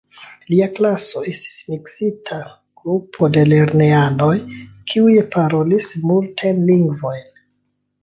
Lia klaso estis miksita grupo de lernejanoj, kiuj parolis multajn lingvojn.